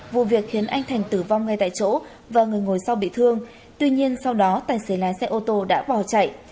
vụ việc khiến anh thành tử vong ngay tại chỗ và người ngồi sau bị thương tuy nhiên sau đó tài xế lái xe ô tô đã bỏ chạy